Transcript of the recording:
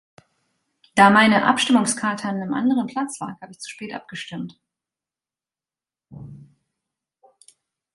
Da meine Abstimmungskarte an einem anderen Platz lag, habe ich zu spät abgestimmt.